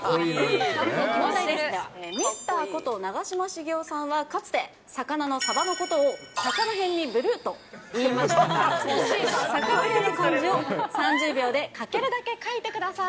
ミスターこと、長嶋茂雄さんはかつて、魚のサバのことを、魚へんにブルーといいましたが、魚へんの漢字を３０秒で書けるだけ書いてください。